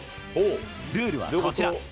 ルールはこちら。